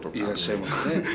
いらっしゃいますね。